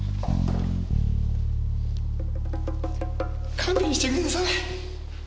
勘弁してください。